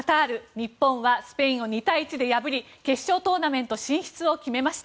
日本はスペインを２対１で破り決勝トーナメント進出を決めました。